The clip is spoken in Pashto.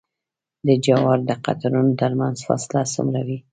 د جوارو د قطارونو ترمنځ فاصله څومره وي؟